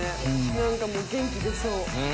何かもう元気出そう。